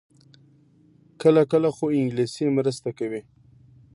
کله کله، خو انګلیسي مرسته کوي